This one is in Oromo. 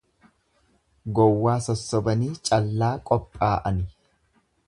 Gowwaa sossobanii callaa qophaa'ani.